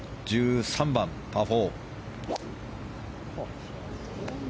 １３番、パー４。